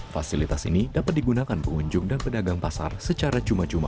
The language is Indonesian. fasilitas ini dapat digunakan pengunjung dan pedagang pasar secara cuma cuma